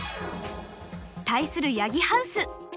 対する八木ハウス。